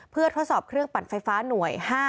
เพื่อทดสอบเครื่องปั่นไฟฟ้าหน่วย๕